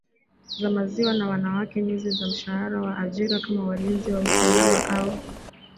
za maziwa na wanawake nyuzi na mshahara wa ajira kama walinzi wa usalama au